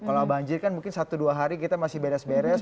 kalau banjir kan mungkin satu dua hari kita masih beres beres